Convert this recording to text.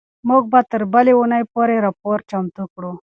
موږ به تر بلې اونۍ پورې راپور چمتو کړو.